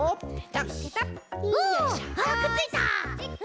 あくっついた！